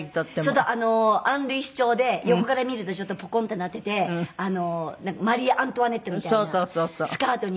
ちょっとアン・ルイス調で横から見るとちょっとポコンってなっててマリー・アントワネットみたいなスカートにして。